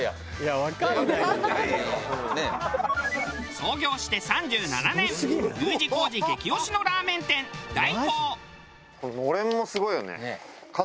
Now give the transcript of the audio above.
創業して３７年Ｕ字工事激推しのラーメン店大功。